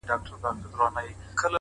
o تیاره وریځ ده ـ باد دی باران دی ـ